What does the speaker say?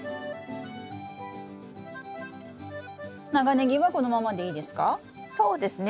長ネギはこのままでいいですか？